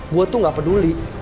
gue tuh gak peduli